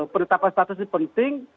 penetapan status ini penting